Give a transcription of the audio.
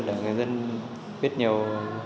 để người dân biết nhiều